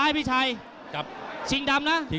น้ำเงินรอโต